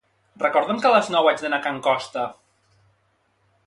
Recorda'm que a les nou haig d'anar a can Costa